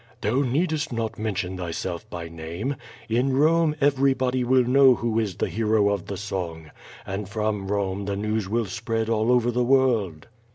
"Thou needest not mention thyself by name. In Rome, everybody will know who is the hero of the song, and from Rome the news will spread all over the world."